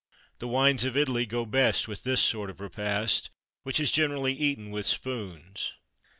The wines of Italy go best with this sort of repast, which is generally eaten with "spoons."